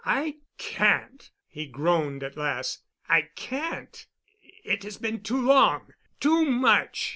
"I can't," he groaned at last. "I can't. It has been too long—too much."